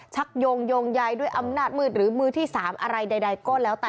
ชักโยงโยงใยด้วยอำนาจมืดหรือมือที่๓อะไรใดก็แล้วแต่